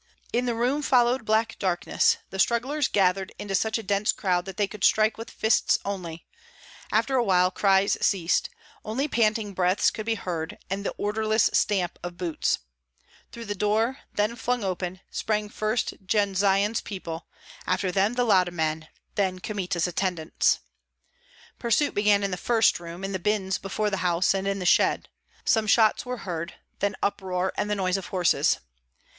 In the room followed black darkness; the strugglers gathered into such a dense crowd that they could strike with fists only; after a while cries ceased; only panting breaths could be heard, and the orderless stamp of boots. Through the door, then flung open, sprang first Jendzian's people, after them the Lauda men, then Kmita's attendants. Pursuit began in the first room, in the bins before the house, and in the shed. Some shots were heard; then uproar and the noise of horses.